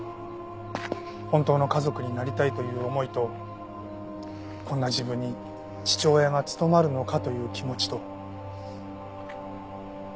本当の家族になりたいという思いとこんな自分に父親が務まるのかという気持ちと。